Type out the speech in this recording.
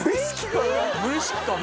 無意識かな？